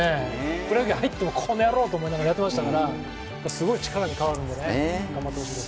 プロ野球入ってもこのやろうと思ってやってましたから、すごい力に変わるんで、頑張ってほしいです。